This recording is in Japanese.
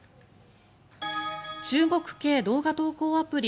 中国系動画投稿アプリ